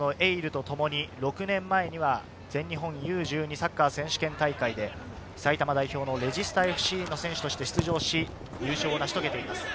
６年前には全日本Ｕ−１２サッカー選手権大会で埼玉代表のレジスタＦＣとして優勝を成し遂げています。